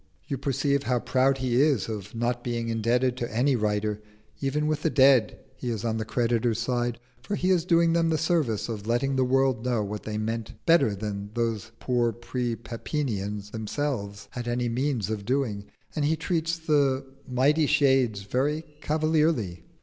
You perceive how proud he is of not being indebted to any writer: even with the dead he is on the creditor's side, for he is doing them the service of letting the world know what they meant better than those poor pre Pepinians themselves had any means of doing, and he treats the mighty shades very cavalierly.